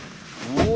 うわ！